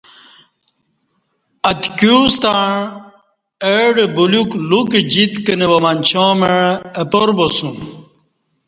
اتکی ستہ اڈہ بلیوک لوکہ جِت کنہ وا منچاں مع اپار باسوم